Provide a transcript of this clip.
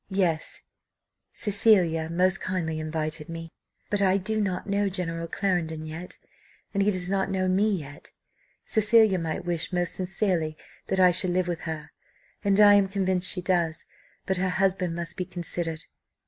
"Yes; Cecilia most kindly invited me, but I do not know General Clarendon yet, and he does not know me yet. Cecilia might wish most sincerely that I should live with her, and I am convinced she does; but her husband must be considered."